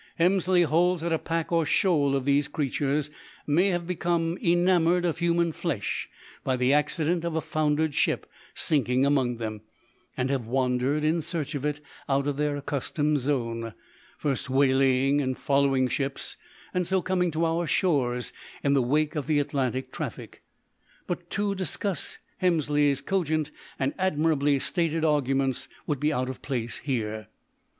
Hemsley holds that a pack or shoal of these creatures may have become enamoured of human flesh by the accident of a foundered ship sinking among them, and have wandered in search of it out of their accustomed zone; first waylaying and following ships, and so coming to our shores in the wake of the Atlantic traffic. But to discuss Hemsley's cogent and admirably stated arguments would be out of place here.